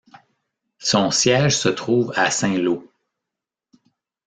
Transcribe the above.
Son siège se trouve à Saint-Lô.